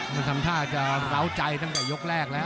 มันทำท่าจะร้าวใจตั้งแต่ยกแรกแล้ว